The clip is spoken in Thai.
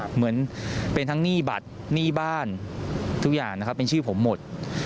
เหมือนเป็นทั้งหนี้บัตรหนี้บ้านทุกอย่างนะครับเป็นชื่อผมหมด